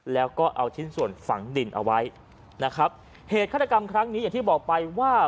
แล้วก็เอาชิ้นส่วนฝังดินเอาไว้นะครับเหตุฆาตกรรมครั้งนี้อย่างที่บอกไปว่า